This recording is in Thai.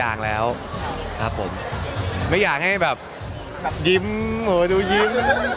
วันนี้ถามว่าไงนะครับ